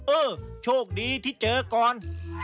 เออโชคดีที่เจอก่อน